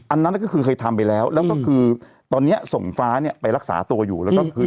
อันนั้นก็คือเคยทำไปแล้วแล้อนนี้คือตอนนี้ส่งฟ้านี้ไปรักษาตัวอยู่